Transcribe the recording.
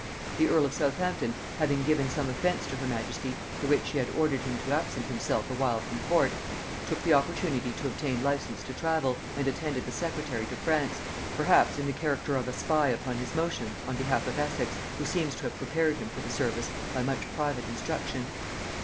The earl of Southampton having given some offence to her majesty for which she had ordered him to absent himself awhile from court, took the opportunity to obtain license to travel, and attended the secretary to France, perhaps in the character of a spy upon his motions on behalf of Essex, who seems to have prepared him for the service by much private instruction.